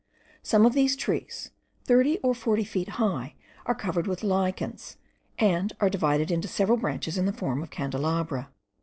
Some of these trees, thirty or forty feet high, are covered with lichens, and are divided into several branches in the form of candelabra.